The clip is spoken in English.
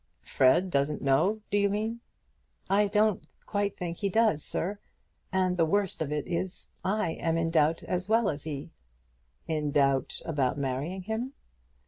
"Fred doesn't know, do you mean?" "I don't quite think he does, sir. And the worst of it is, I am in doubt as well as he." "In doubt about marrying him?"